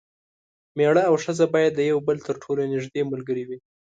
میړه او ښځه باید د یو بل تر ټولو نږدې ملګري وي.